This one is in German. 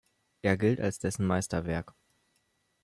Er gilt als dessen Meisterwerk.